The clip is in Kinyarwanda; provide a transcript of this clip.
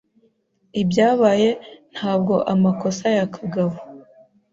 Ibyabaye ntabwo amakosa ya kagabo